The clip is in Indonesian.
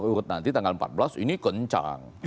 urut nanti tanggal empat belas ini kencang